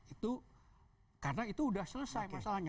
itu karena itu sudah selesai masalahnya